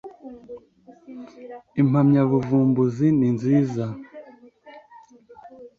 impamyabuvumbuzi ninziza.